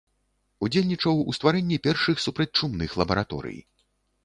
Удзельнічаў ў стварэнні першых супрацьчумных лабараторый.